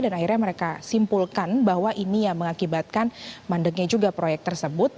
dan akhirnya mereka simpulkan bahwa ini yang mengakibatkan mandeknya juga proyek tersebut